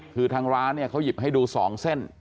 คือทางร้านเนี่ยเขาหยิบให้ดู๒เส้น